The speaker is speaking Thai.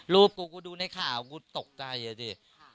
กูกูดูในข่าวกูตกใจอ่ะดิ